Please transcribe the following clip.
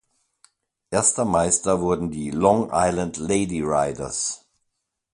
Erster Meister wurden die Long Island Lady Riders.